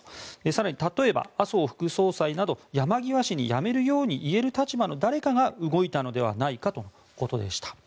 更に例えば、麻生副総裁など山際氏に辞めるように言える立場の誰かが動いたのではないかとのことでした。